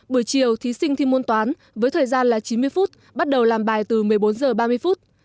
buổi chiều thí sinh thi môn toán với thời gian là chín mươi phút bắt đầu làm bài từ một mươi bốn giờ ba mươi phút